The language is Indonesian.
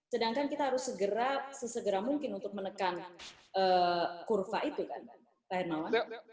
sedangkan kita harus segera sesegera mungkin untuk menekan kurva itu pak hermawan